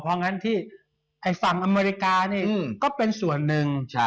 อ๋อเพราะงั้นที่ไอน้ธ่าภัยฝั่งอเมริกาก็เป็นส่วนนึง